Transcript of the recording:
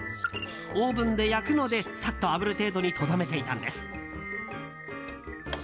オーブンで焼くので、サッと炙る程度にとどめていたんです。